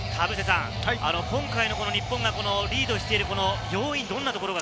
今回の日本がリードしている要因は何ですか？